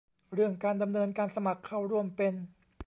เรื่องการดำเนินการสมัครเข้าร่วมเป็น